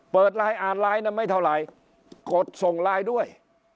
เปิดไลน์อ่านไลน์นั้นไม่เท่าไหร่กดส่งไลน์ด้วย